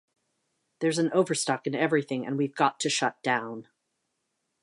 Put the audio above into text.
There's an overstock in everything, and we've got to shut down.